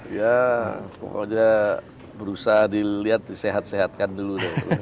ya pokoknya berusaha dilihat disehat sehatkan dulu